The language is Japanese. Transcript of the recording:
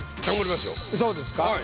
そうですか？